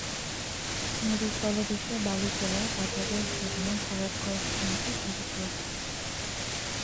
নদীর তলদেশের বালু তোলায় বাজারের জন্য ভরাট করা স্থানটি ধসে পড়ছে।